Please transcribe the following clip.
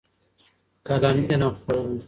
قلم علم خپروي.